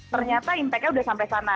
ternyata impact nya sudah sampai sana